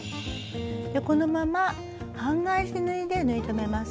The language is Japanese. このまま半返し縫いで縫い留めます。